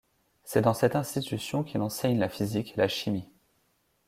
C’est dans cette institution qu’il enseigne la physique et la chimie.